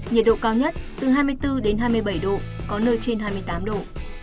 nhiệt độ cao nhất từ hai mươi bốn đến hai mươi bảy độ có nơi trên hai mươi tám độ